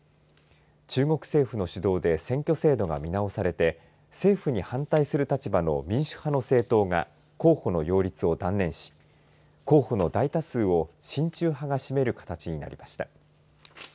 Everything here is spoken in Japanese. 中国政府の主導で選挙制度が見直されて政府に反対する立場の民主派の政党が候補の擁立を断念し候補の大多数を親中派が占める形になりました。